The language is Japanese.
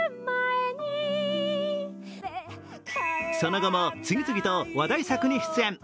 その後も、次々と話題作に出演。